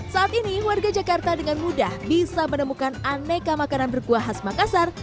saat ini warga jakarta dengan mudah bisa menemukan aneka makanan berkuah khas makassar